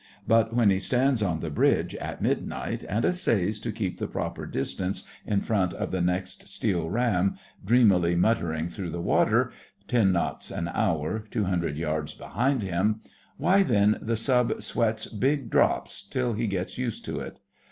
But when he stands on the bridge at midnight and essays to keep the proper distance in front of the next steel ram dreamily muttering through the water, ten knots an hour, two hundred yards behind him—why then the Sub sweats big drops till he gets used to it.